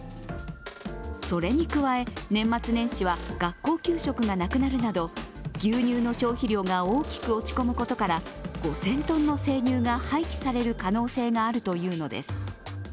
それに加え、年末年始は学校給食がなくなるなど牛乳の消費量が大きく落ち込むことから５０００ｔの生乳が廃棄される可能性があるというのです。